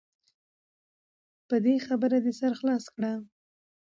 په دې خبره دې سر خلاص کړه .